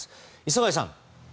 磯貝さん。